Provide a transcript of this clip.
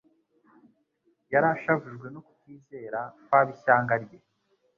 Yari ashavujwe no kutizera kw'ab'ishyanga rye,